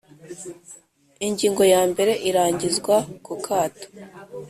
Ingingo ya mbere Irangizwa ku kato